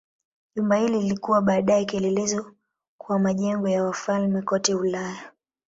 Jumba hili lilikuwa baadaye kielelezo kwa majengo ya wafalme kote Ulaya.